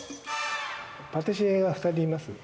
パティシエが２人います。